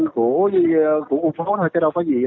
của quận phố thôi chứ đâu có gì